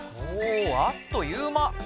おあっという間。